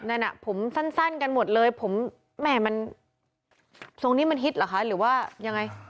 นั่นอ่ะผมสั้นกันหมดเลยผมแม่มันทรงนี้มันฮิตเหรอคะหรือว่ายังไง